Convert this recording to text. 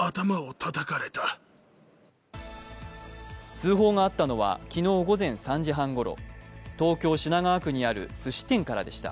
通報があったのは昨日午前３時半ごろ東京・品川区にあるすし店からでした。